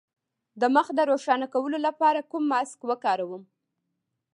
د مخ د روښانه کولو لپاره کوم ماسک وکاروم؟